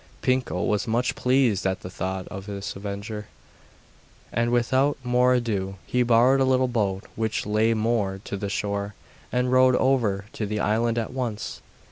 Pinkel was much pleased at the thought of his adventure, and without more ado he borrowed a little boat which lay moored to the shore, and rowed over to the island at once.